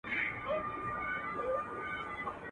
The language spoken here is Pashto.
عمر ځکه ډېر کوي چي پوه په کار دی.